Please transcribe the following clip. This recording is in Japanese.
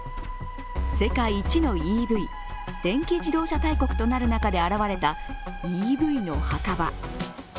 世界一のＥＶ＝電気自動車大国となる中で現れたＥＶの墓場。